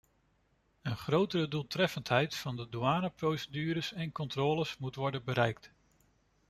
Een grotere doeltreffendheid van de douaneprocedures en controles moet worden bereikt.